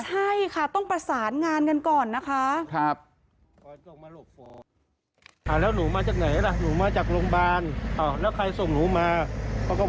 ใช่ค่ะต้องประสานงานกันก่อนนะคะ